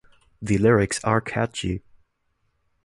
The lyrics are catchy.